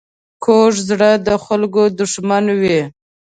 کوږ زړه د خلکو دښمن وي